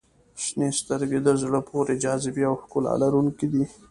• شنې سترګې د زړه پورې جاذبې او ښکلا لرونکي دي.